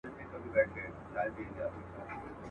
همېشه به بېرېدى له جنرالانو.